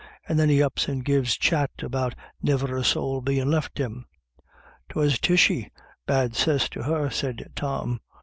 And then he ups and gives chat about jiiver a sowl bein' left him." "'Twas Tishy — bad cess to her," said Tom.